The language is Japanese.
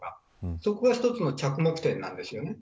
そこが一つの着目点なんですよね。